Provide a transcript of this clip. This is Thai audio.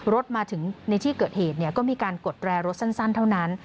รถมาถึงในที่เกิดเหตุก็มีการกดแรรถสั้นเท่านั้น